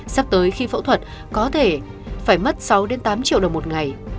sắp tới khi phẫu thuật có thể phải mất sáu đến tám triệu đồng một ngày